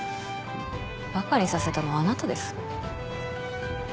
バカにさせたのはあなたです。